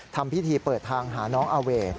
ทำพิธีเปิดทางหาน้องอาเว